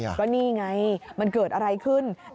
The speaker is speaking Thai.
ก็นี่ไงมันเกิดอะไรขึ้น